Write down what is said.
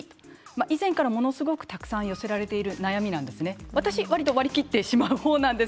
以前から、ものすごくたくさん寄せられている悩みです。